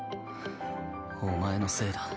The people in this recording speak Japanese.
お前のせいだ。